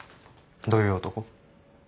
どういう男？